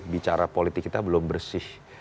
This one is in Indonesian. bicara politik kita belum bersih